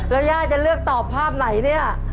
แล้วย่าจะเลือกตอบภาพไหนเนี่ย